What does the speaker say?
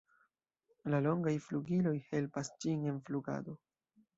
La longaj flugiloj helpas ĝin en flugado.